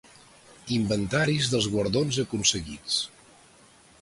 Inventaris dels guardons aconseguits.